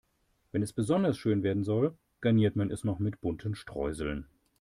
Wenn es besonders schön werden soll, garniert man es noch mit bunten Streuseln.